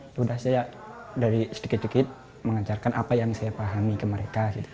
sudah saya dari sedikit sedikit mengajarkan apa yang saya pahami ke mereka